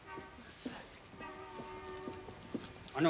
あの。